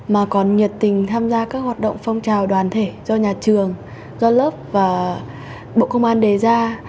mà còn nhiệt tình tham gia các hoạt động phong trào đoàn thể do nhà trường do lớp và bộ công an đề ra